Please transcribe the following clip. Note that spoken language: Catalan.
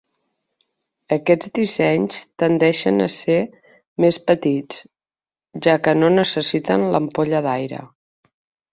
Aquests dissenys tendeixen a ser més petits, ja que no necessiten l'ampolla d'aire.